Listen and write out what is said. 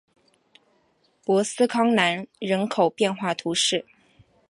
博斯康南人口变化图示